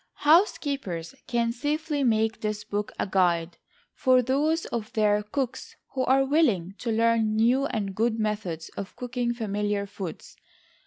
Housekeepers can safely make this book a guide for those of their cooks who are willing to learn new and good methods of cooking familiar foods.